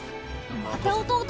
またおとうと？